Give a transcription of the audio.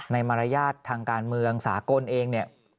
มารยาททางการเมืองสากลเองเนี่ย